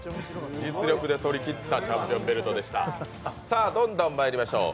実力で取りきったチャンピオンベルトでした。